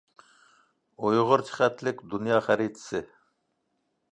ئۇيغۇرچە خەتلىك دۇنيا خەرىتىسى.